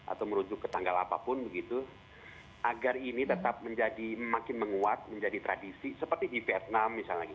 atau merujuk ke tanggal apapun begitu agar ini tetap menjadi makin menguat menjadi tradisi seperti di vietnam misalnya